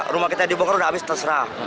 rumah kita dibongkar udah habis terserah